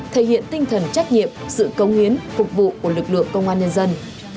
thể hiện tinh thần trách nhiệm sự công hiến phục vụ của lực lượng công an nhân dân